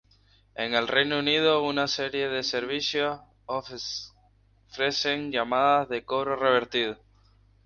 En el Reino Unido, una serie de servicios ofrecen llamadas de cobro revertido.